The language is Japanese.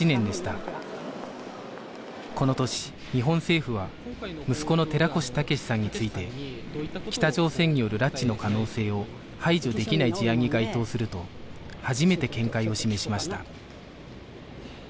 この年日本政府は息子の寺越武志さんについて「北朝鮮による拉致の可能性を排除できない事案」に該当すると初めて見解を示しました